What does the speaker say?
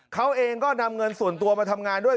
เขาเองก็นำเงินส่วนตัวมาทำงานด้วย